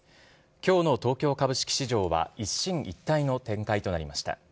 きょうの東京株式市場は一進一退の展開となりました。